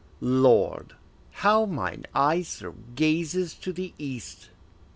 Lord, how mine eyes throw gazes to the east!